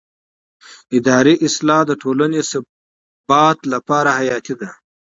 اداري اصلاح د ټولنې ثبات لپاره حیاتي دی